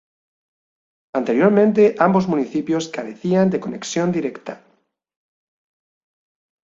Anteriormente ambos municipios carecían de conexión directa.